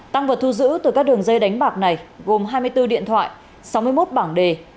tăng vật thu giữ từ các đường dây đánh bạc này gồm hai mươi bốn điện thoại sáu mươi một bảng đề